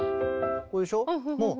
これでしょう。